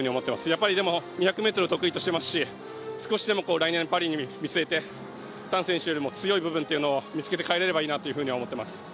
やっぱりでも、２００ｍを得意としていますし、少しでも来年のパリを見据えて覃選手よりも強い部分を見つけて帰れればいいなと思っています。